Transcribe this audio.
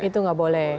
itu nggak boleh